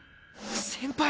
先輩！